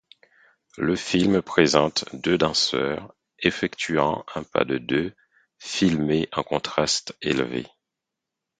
Le film présente deux danseurs effectuant un pas de deux, filmé en contraste élevé.